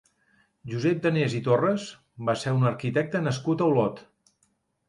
Josep Danés i Torras va ser un arquitecte nascut a Olot.